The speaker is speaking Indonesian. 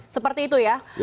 seperti itu ya